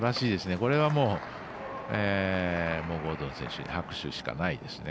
これは、ゴードン選手拍手しかないですね。